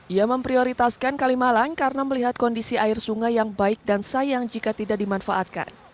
ia memprioritaskan kalimalang karena melihat kondisi air sungai yang baik dan sayang jika tidak dimanfaatkan